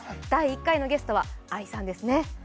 第１回のゲストはＡＩさんですね。